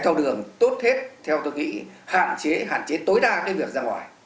thường tốt hết theo tôi nghĩ hạn chế tối đa cái việc ra ngoài